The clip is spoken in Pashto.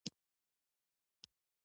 په اسطوره باورۍ کې ډوبېږي.